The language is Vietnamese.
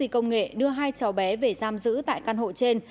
công nghệ đưa hai cháu bé về giam giữ tại căn hộ trên